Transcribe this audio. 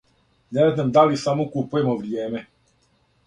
Не знам да ли само купујемо вријеме.